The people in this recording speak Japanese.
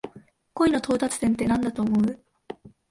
恋の到達点ってなんだと思う？